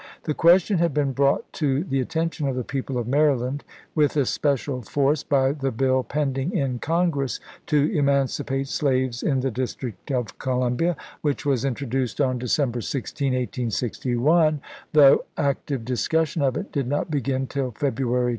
The question had been brought to the attention of the people of Maryland with especial force, by the bill pending in Congress to emancipate slaves in the District of Columbia, which was introduced on December 16, 1861, though active discussion of it did not begin till February 24.